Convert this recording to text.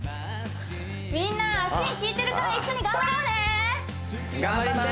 みんな脚にきいてるから一緒に頑張ろうね頑張って！